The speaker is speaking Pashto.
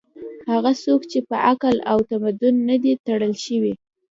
هغه څوک چې په عقل او تمدن نه دي تړل شوي